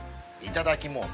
いただきます。